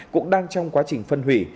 cũng đang trong quá trình phân hủy